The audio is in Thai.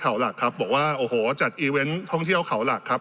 เขาหลักครับบอกว่าโอ้โหจัดอีเวนต์ท่องเที่ยวเขาหลักครับ